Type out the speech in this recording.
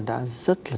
và vui vẻ